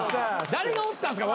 誰がおったんすか？